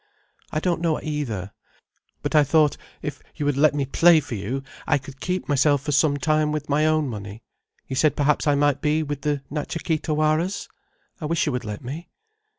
"I don't know either. But I thought, if you would let me play for you, I could keep myself for some time with my own money. You said perhaps I might be with the Natcha Kee Tawaras. I wish you would let me."